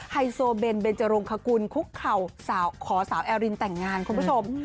ไฮโซเบนเบนจรงคกุลคุกเข่าขอสาวแอรินแต่งงานคุณผู้ชม